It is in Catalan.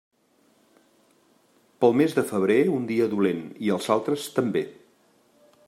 Pel mes de febrer un dia dolent i els altres també.